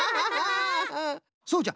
そうじゃ。